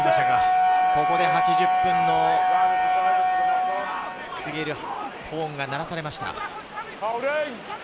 ここで８０分を告げるホーンが鳴らされました。